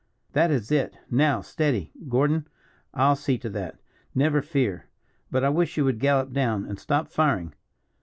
That is it. Now steady. Gordon, I'll see to that never fear. But I wish you would gallop down, and stop firing.